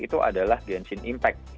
itu adalah genshin impact